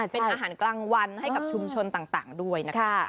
เป็นอาหารกลางวันให้กับชุมชนต่างด้วยนะคะ